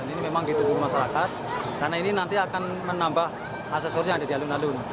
ini memang ditunggu masyarakat karena ini nanti akan menambah aksesori yang ada di alun alun